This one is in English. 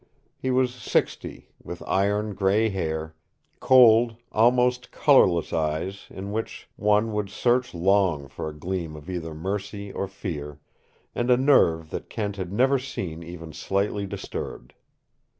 He was sixty, with iron gray hair, cold, almost colorless eyes in which one would search long for a gleam of either mercy or fear, and a nerve that Kent had never seen even slightly disturbed.